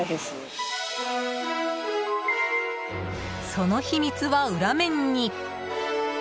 その秘密は、裏面に。